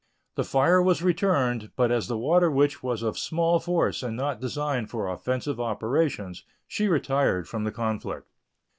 The fire was returned, but as the Water Witch was of small force and not designed for offensive operations, she retired from the conflict.